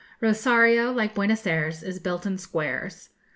Rosario, like Buenos Ayres, is built in squares.